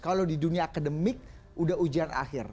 kalau di dunia akademik udah ujian akhir